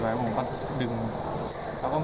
แล้วก็มีพลเมืองบีเป็นลูกสาว